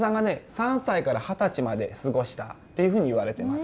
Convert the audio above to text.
３歳から二十歳まで過ごしたっていうふうにいわれてます。